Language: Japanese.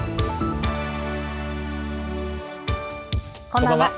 こんばんは。